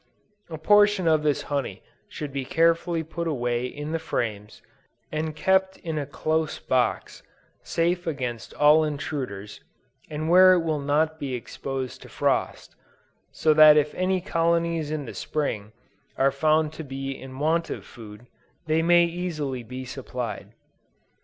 A portion of this honey should be carefully put away in the frames, and kept in a close box, safe against all intruders, and where it will not be exposed to frost; so that if any colonies in the Spring, are found to be in want of food, they may easily be supplied.